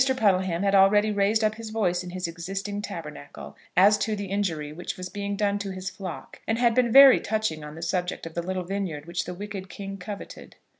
Puddleham had already raised up his voice in his existing tabernacle, as to the injury which was being done to his flock, and had been very touching on the subject of the little vineyard which the wicked king coveted.